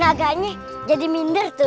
naganya jadi minder tuh